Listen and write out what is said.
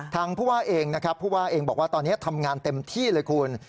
ผู้ว่าเองนะครับผู้ว่าเองบอกว่าตอนนี้ทำงานเต็มที่เลยคุณ